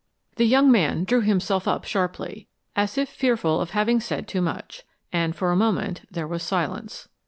The young man drew himself up sharply, as if fearful of having said too much, and for a moment there was silence.